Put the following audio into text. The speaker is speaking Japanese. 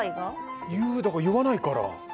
だから言わないから。